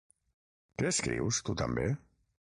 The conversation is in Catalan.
Que escrius, tu també?